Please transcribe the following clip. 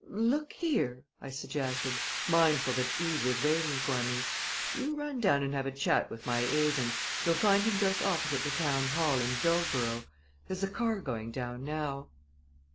"Look here!" I suggested, mindful that Eve was waiting for me. "You run down and have a chat with my agent. You'll find him just opposite the town hall in Bildborough. There's a car going down now."